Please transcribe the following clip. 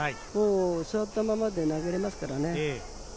座ったままで投げれますからね。